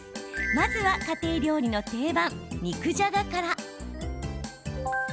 まずは、家庭料理の定番肉じゃがから。